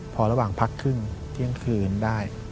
พอระหว่างพักครึ่งเที่ยงคืนได้